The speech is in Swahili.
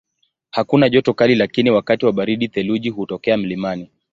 Hakuna joto kali lakini wakati wa baridi theluji hutokea mlimani.